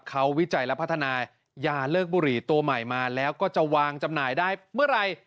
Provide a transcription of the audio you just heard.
เขาวิจัยและพัฒนายาเลิกบุหรี่ตัวใหม่มาแล้วก็จะวางจำหน่ายได้เมื่อไหร่